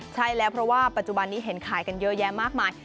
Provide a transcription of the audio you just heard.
ใช่แล้วเพราะว่าปัจจุบันนี้เห็นขายกันเยอะแยะมากมาย